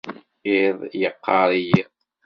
Iḍ iqqar i yiḍ.